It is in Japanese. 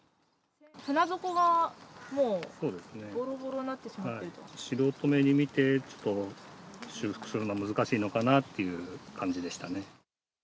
船底がもうぼろぼろになって素人目に見て、ちょっと修復するのは難しいのかなっていう感じでしたね。